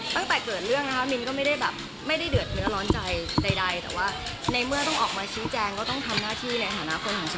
ตั้งแต่เกิดเรื่องนะคะมินก็ไม่ได้แบบไม่ได้เดือดเนื้อร้อนใจใดแต่ว่าในเมื่อต้องออกมาชี้แจงก็ต้องทำหน้าที่ในฐานะคนของฉัน